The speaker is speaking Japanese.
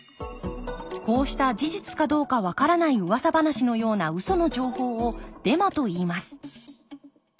こうした事実かどうかわからないうわさ話のようなウソの情報をデマといいます。